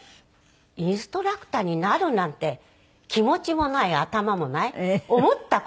インストラクターになるなんて気持ちもない頭もない思った事もない。